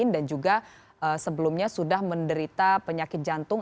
dan juga sebelumnya sudah menderita penyakit jantung